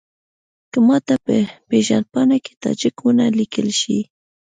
که ماته په پېژندپاڼه کې تاجک ونه لیکل شي.